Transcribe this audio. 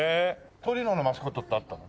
トリノのマスコットってあったの？